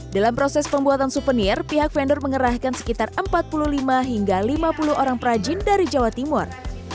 dalam proses pembuatan souvenir pihak vendor mengerahkan sekitar empat puluh lima hingga lima puluh orang perajin dari jawa timur